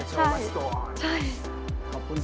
จะโชว์มาสตัวออก